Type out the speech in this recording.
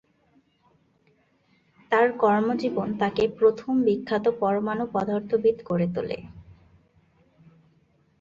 তার কর্মজীবন তাকে প্রথম বিখ্যাত পরমাণু পদার্থবিদ করে তোলে।